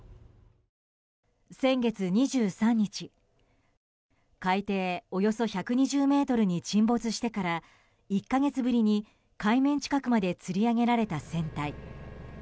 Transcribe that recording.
先月２３日、海底およそ１２０ｍに沈没してから１か月ぶりに海面近くまでつり上げられた船体。